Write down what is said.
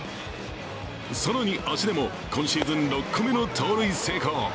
更に足でも、今シーズン６個目の盗塁成功。